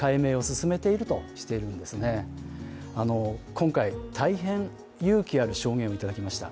今回、大変勇気ある証言をいただきました。